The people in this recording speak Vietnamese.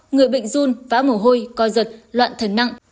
người bệnh run vã mồ hôi co giật loạn thần nặng